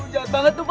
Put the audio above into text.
jangan banget tuh ma